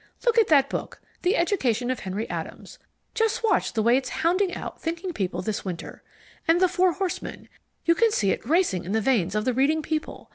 Look at that book The Education of Henry Adams! Just watch the way it's hounding out thinking people this winter. And The Four Horsemen you can see it racing in the veins of the reading people.